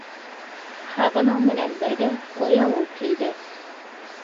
Һағыныу менән бергә оялыу килде.